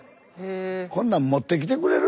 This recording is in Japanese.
こんなん持ってきてくれる？